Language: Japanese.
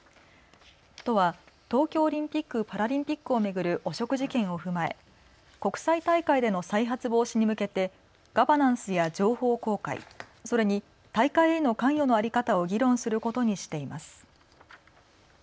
都は東京オリンピック・パラリンピックを巡る汚職事件を踏まえ、国際大会での再発防止に向けてガバナンスや情報公開、それに大会への関与の在り方を議論することにしています。